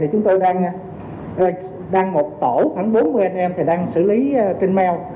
chúng tôi đang một tổ khoảng bốn mươi anh em đang xử lý trên mail